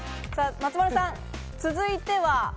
松丸さん続いては。